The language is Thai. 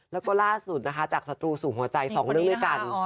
แล้วก็ล่าสุดนะคะจากศัตรูสู่หัวใจ๒เรื่องด้วยกัน